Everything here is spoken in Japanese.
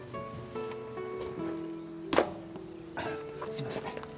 すいません。